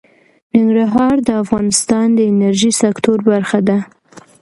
ننګرهار د افغانستان د انرژۍ سکتور برخه ده.